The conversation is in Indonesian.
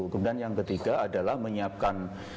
kemudian yang ketiga adalah menyiapkan